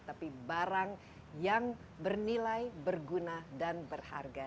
tapi barang yang bernilai berguna dan berharga